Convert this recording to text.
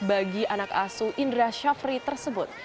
bagi anak asu indra shafri tersebut